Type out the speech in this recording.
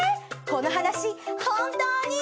この話本当に。